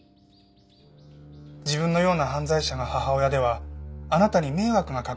自分のような犯罪者が母親ではあなたに迷惑がかかってしまう。